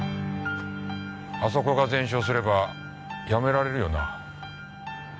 あそこが全焼すればやめられるよな。